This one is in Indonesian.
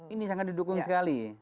ini sangat didukung sekali